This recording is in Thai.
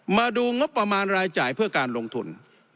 มาดูงบประมาณรายจ่ายเพื่อการลงทุน